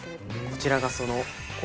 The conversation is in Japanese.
こちらがその。